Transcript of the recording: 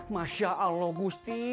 masya allah gusti